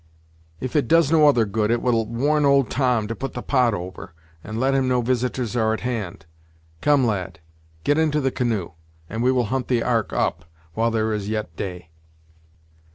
"If it does no other good, it will warn old Tom to put the pot over, and let him know visiters are at hand. Come, lad; get into the canoe, and we will hunt the ark up, while there is yet day."